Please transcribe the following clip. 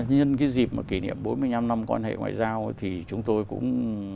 nhân cái dịp mà kỷ niệm bốn mươi năm năm quan hệ ngoại giao thì chúng tôi cũng